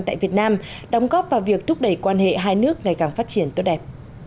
tại việt nam đóng góp vào việc thúc đẩy quan hệ hai nước ngày càng phát triển tốt đẹp